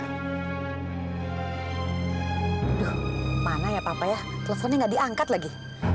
aduh mana ya papa ya teleponnya gak diangkat lagi